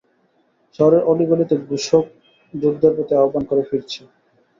শহরের অলি-গলিতে ঘোষক যুদ্ধের প্রতি আহবান করে ফিরছে।